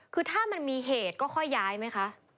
คือถ้ามันมีเหตุก็ค่อยย้ายไหมคะ